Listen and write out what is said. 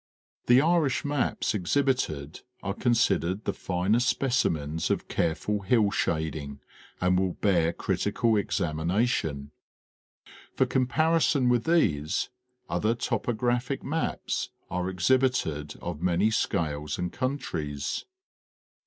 ¥. The Irish maps exhibited are considered the finest specimens of careful hill shading and will bear critical examination. For com parison with these, other topographic maps are exhibited of many scales and countries.